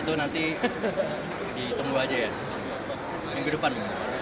itu nanti ditunggu aja ya minggu depan